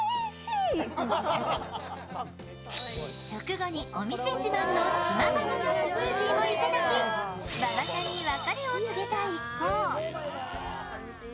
食後にお店自慢の島バナナスムージーもいただき馬場さんに別れを告げた一行。